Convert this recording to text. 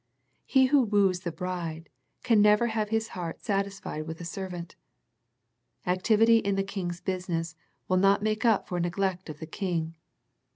He who woos the bride can never have his heart sat isfied with a servant. Activity in the King's business will not make up for neglect of the King.